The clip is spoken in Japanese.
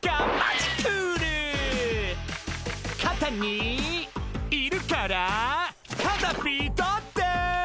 「かたにいるからカタピーだって」